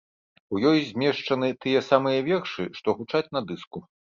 У ёй змешчаны тыя самыя вершы, што гучаць на дыску.